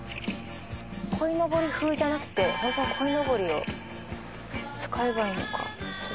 鯉のぼり風じゃなくて本当の鯉のぼりを使えばいいのか」